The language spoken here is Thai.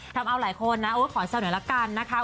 ทำเอาหลายคนนะขอเสนอละกันนะคะ